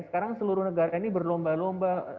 sekarang seluruh negara ini berlomba lomba